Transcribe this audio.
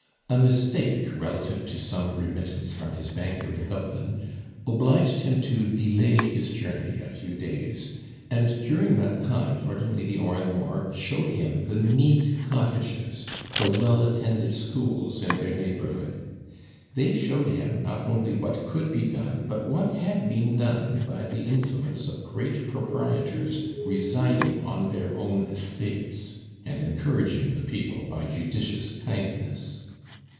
A mistake, relative to some remittance from his banker in Dublin, obliged him to delay his journey a few days, and during that time Lord and Lady Oranmore showed him the neat cottages, the well attended schools, in their neighbourhood. They showed him not only what could be done, but what had been done, by the influence of great proprietors residing on their own estates, and encouraging the people by judicious kindness.